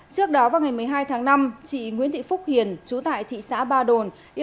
trước đó vào ngày một mươi hai tháng năm chị nguyễn thị phúc hiền chú tại thị xã ba đồn